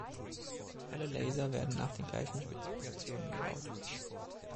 Alle Laser werden nach den gleichen Spezifikationen gebaut.